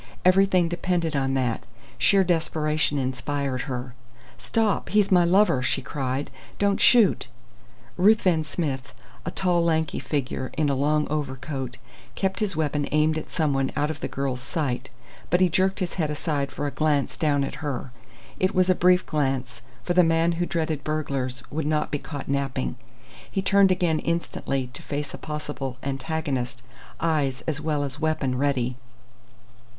Everything depended on that. Sheer desperation inspired her. "Stop! He's my lover!" she cried. "Don't shoot!" Ruthven Smith a tall, lanky figure in a long over coat kept his weapon aimed at someone out of the girl's sight, but he jerked his head aside for a glance down at her. It was a brief glance, for the man who dreaded burglars would not be caught napping. He turned again instantly to face a possible antagonist, eyes as well as weapon ready.